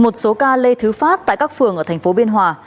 một số ca lây thứ phát tại các phường ở thành phố biên hòa